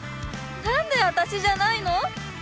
何で私じゃないの？